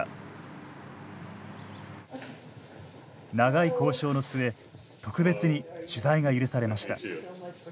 長い交渉の末特別に取材が許されました。